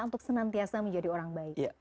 untuk senantiasa menjadi orang baik